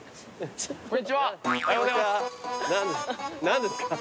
何ですか？